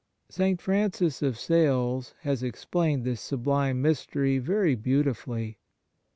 "* St. Francis of Sales has explained this sublime mystery very beautifully.